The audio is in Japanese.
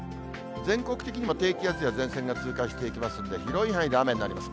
全国的にも低気圧や前線が通過していきますので、広い範囲で雨になります。